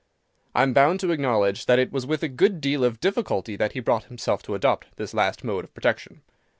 I am bound to acknowledge that it was with a good deal of difficulty that he brought himself to adopt this last mode of protection.